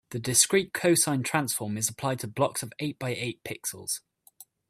The discrete cosine transform is applied to blocks of eight by eight pixels.